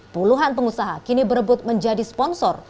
puluhan pengusaha kini berebut menjadi sponsor